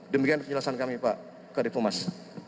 demikian penjelasan kami pak kary pumas